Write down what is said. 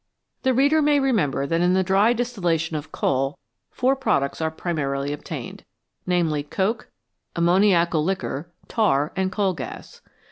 The reader may remember that in the dry distillation of coal four products are primarily obtained, namely, coke, ammoniacal liquor, tar, and coal gas.